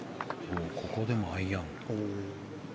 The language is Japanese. ここでもアイアン。